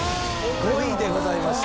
５位でございました。